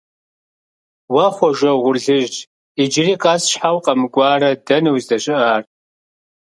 Уэ, Хъуэжэ угъурлыжь, иджыри къэс щхьэ укъэмыкӀуарэ, дэнэ уздэщыӀар?